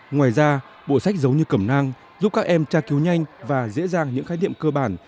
ngoài ra bộ sách giống như cẩm nang giúp các em tra cứu nhanh và dễ dàng những khái niệm cơ bản